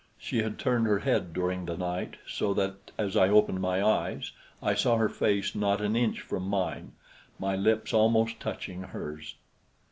She had turned her head during the night so that as I opened my eyes I saw her face not an inch from mine, my lips almost touching hers.